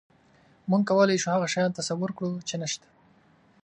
موږ کولی شو هغه شیان تصور کړو، چې نهشته.